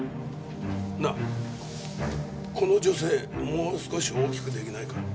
なあこの女性もう少し大きく出来ないか？